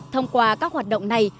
thông qua các hoạt động này